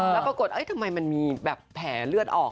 แล้วปรากฏทำไมมันมีแบบแผลเลือดออก